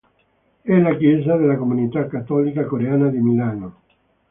È la chiesa della comunità cattolica coreana di Milano.